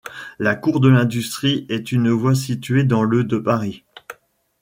La cour de l'Industrie est une voie située dans le de Paris.